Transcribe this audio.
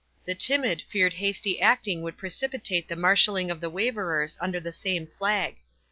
The timid feared hasty acting would precipitate the marshaling of the waverers under the same flag.